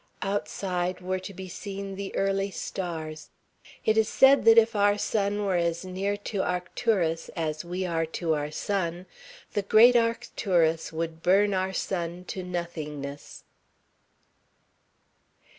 Outside were to be seen the early stars. It is said that if our sun were as near to Arcturus as we are near to our sun, the great Arcturus would burn our sun to nothingness.